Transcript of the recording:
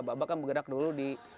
bapak kan bergerak dulu di